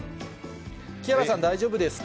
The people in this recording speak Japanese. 木原さん、大丈夫ですか？